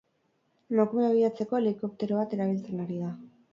Emakumea bilatzeko, helikoptero bat erabiltzen ari dira.